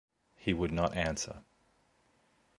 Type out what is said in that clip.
He would not answer.